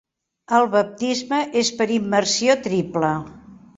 El baptisme és per immersió triple.